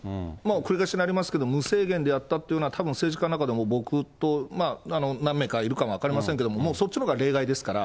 繰り返しになりますけど、無制限でやったっていうのは、たぶん政治家の中でも僕と、何名かいるかも分かりませんけど、もうそっちのほうが例外ですから。